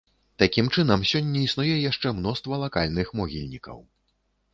Такім чынам, сёння існуе яшчэ мноства лакальных могільнікаў.